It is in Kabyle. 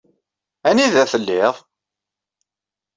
Anida telliḍ?